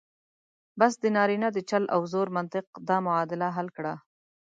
بس د نارینه د چل او زور منطق دا معادله حل کړه.